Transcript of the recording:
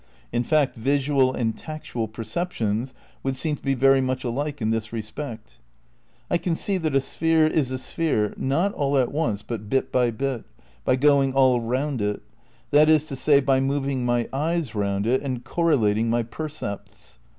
In fact, visual and tactual percep tions would seem to be very much ahke in this respect. I can see that a sphere is a sphere, not all at once, but bit by bit, by going all round it, that is to say, by moving my eyes round it and correlating my percepts.